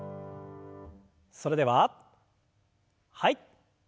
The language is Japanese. それでははい。